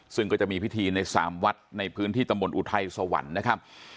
ซึ่งก็จะมีพิธีใน๓วัดในพื้นที่ตำบลอุทัยสวรรค์นะครับ